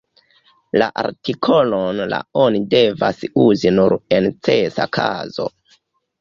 La artikolon "la" oni devas uzi nur en necesa kazo.